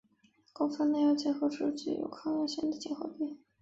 广泛耐药结核之一具有抗药性的结核病。